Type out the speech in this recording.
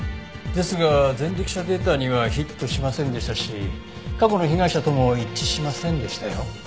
ですが前歴者データにはヒットしませんでしたし過去の被害者とも一致しませんでしたよ。